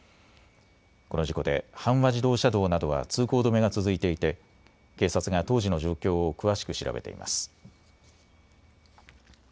この事故で阪和自動車道などは通行止めが続いていて警察が当時の状況を詳しく調べています。